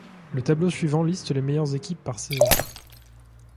Le tableau suivant liste les meilleures équipes par saison.